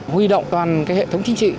huy động toàn hệ thống chính trị